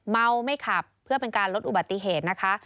เมาไม่ขับเพื่อเป็นการลดอุบัติเหตุนะคะ